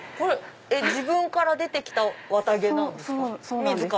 自分から出て来た綿毛ですか？